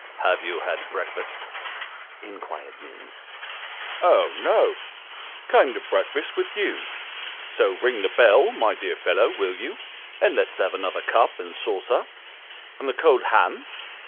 " Have you breakfasted ?" inquired Minns. " Oh, no ! came to breakfast with you ; so ring the bell, my dear fellow, will you ? and let's have another cup and saucer, and the cold ham.